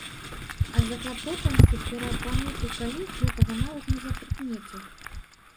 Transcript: Ад заклапочанасці пераапрануты каліф гэтага нават не запрыкмеціў.